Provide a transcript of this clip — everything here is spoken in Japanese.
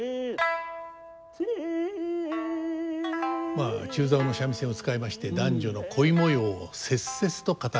まあ中棹の三味線を使いまして男女の恋模様を切々と語る。